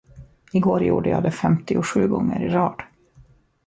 I går gjorde jag det femtiosju gånger i rad.